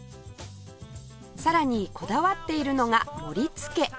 さらにこだわっているのが盛りつけ